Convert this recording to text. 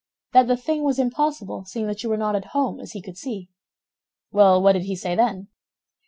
"That the thing was impossible, seeing that you were not at home, as he could see." "Well, what did he say then?"